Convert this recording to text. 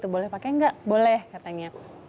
boleh pakai nggak boleh katanya